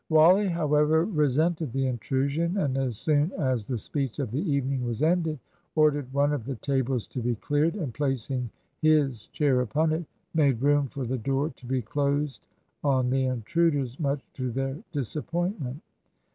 Wally, however, resented the intrusion, and as soon as the speech of the evening was ended, ordered one of the tables to be cleared, and placing his chair upon it, made room for the door to be closed on the intruders, much to their disappointment.